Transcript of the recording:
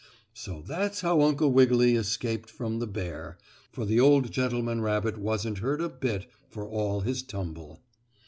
So that's how Uncle Wiggily escaped from the bear, for the old gentleman rabbit wasn't hurt a bit for all his tumble.